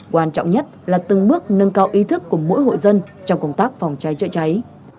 quan trọng nhất là từng bước nâng cao ý thức của mỗi hộ dân trong công tác phòng cháy chữa cháy